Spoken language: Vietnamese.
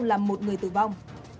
làm một người tử vong